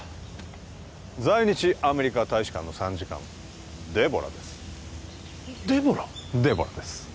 在日アメリカ大使館の参事官デボラですデボラ！？デボラです